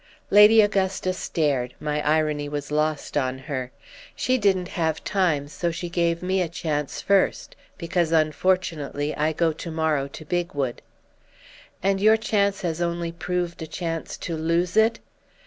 "Lady Augusta stared—my irony was lost on her. 'She didn't have time, so she gave me a chance first; because unfortunately I go to morrow to Bigwood.' "'And your chance has only proved a chance to lose it?